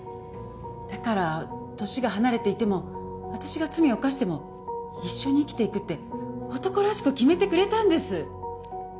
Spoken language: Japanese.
だから年が離れていても私が罪を犯しても一緒に生きていくって男らしく決めてくれたんです。